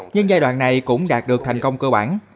nhưng giai đoạn này cũng đạt được thành công cơ bản